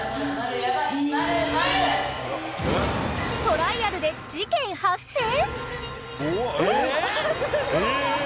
［トライアルで事件発生！？］